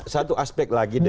satu aspek lagi dari